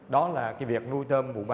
đó là cái việc nuôi tôm vụ ba